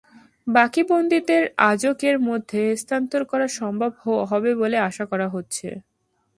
বাকি বন্দীদের আজকের মধ্যে স্থানান্তর করা সম্ভব হবে বলে আশা করা হচ্ছে।